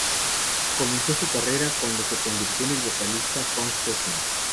Comenzó su carrera cuando se convirtió en el vocalista "Funk Sección".